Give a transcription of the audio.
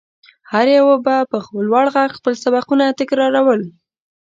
هر يوه به په لوړ غږ خپل سبقونه تکرارول.